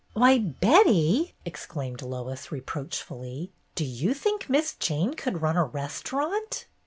"'' "Why, Betty," exclaimed Lois, reproach fully, "do you think Miss Jane could run a restaurant